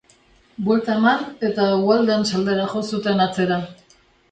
Buelta eman eta Waldens aldera jo zuten atzera.